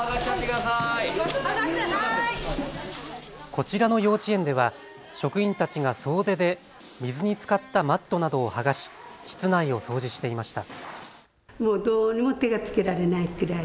こちらの幼稚園では職員たちが総出で水につかったマットなどを剥がし室内を掃除していました。